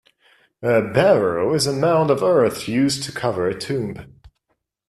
A barrow is a mound of earth used to cover a tomb.